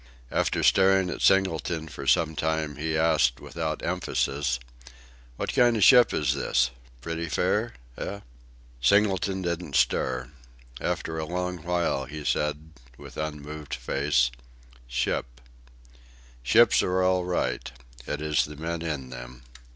After staring at Singleton for some time he asked without emphasis: "What kind of ship is this? Pretty fair? Eh?" Singleton didn't stir. A long while after he said, with unmoved face: "Ship!... Ships are all right. It is the men in them!"